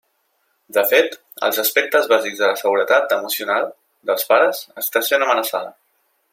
De fet, els aspectes bàsics de la seguretat emocional dels pares està sent amenaçada.